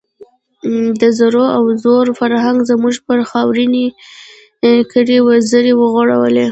د زرو او زور فرهنګ زموږ پر خاورینې کُرې وزر غوړولی.